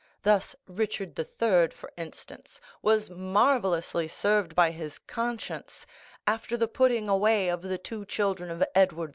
Thus Richard III., for instance, was marvellously served by his conscience after the putting away of the two children of Edward IV.